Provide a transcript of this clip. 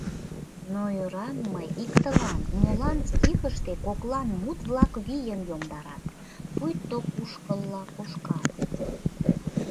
Но ӧрам мый иктылан: молан стихыште коклан мут-влак вийым йомдарат, пуйто кушкылла кошкат?